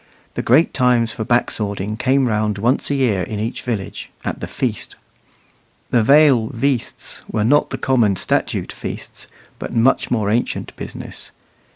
The great times for back swording came round once a year in each village; at the feast. The Vale "veasts" were not the common statute feasts, but much more ancient business.